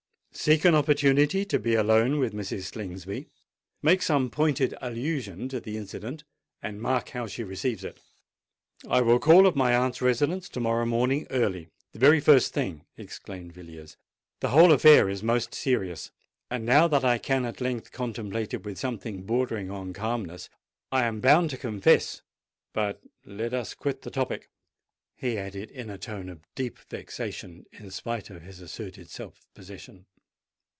"Seek an opportunity to be alone with Mrs. Slingsby—make some pointed allusion to the incident—and mark how she receives it." "I will call at my aunt's residence to morrow morning early—the very first thing," exclaimed Villiers. "The whole affair is most serious; and, now that I can at length contemplate it with something bordering on calmness, I am bound to confess——But let us quit the topic," he added, in a tone of deep vexation, in spite of his asserted self possession.